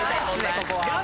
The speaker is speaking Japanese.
ここは。